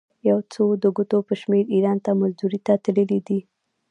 یو څو د ګوتو په شمېر ایران ته مزدورۍ ته تللي دي.